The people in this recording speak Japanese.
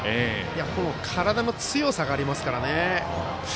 この体の強さがありますからね。